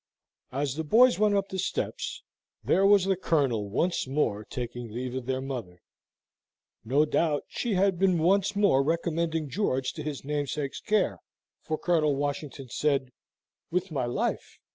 As the boys went up the steps, there was the Colonel once more taking leave of their mother. No doubt she had been once more recommending George to his namesake's care; for Colonel Washington said: "With my life.